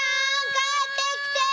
帰ってきて！